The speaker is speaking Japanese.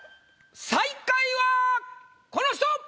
最下位はこの人！